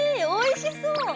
おいしそう。